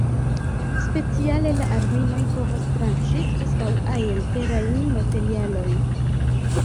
Speciale la armiloj povas tranĉi preskaŭ ajn terajn materialojn.